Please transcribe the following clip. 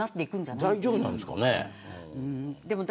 大丈夫なんですかね。